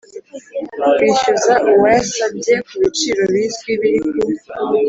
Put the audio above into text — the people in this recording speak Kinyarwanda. kwishyuza uwayasabye ku biciro bizwi biri ku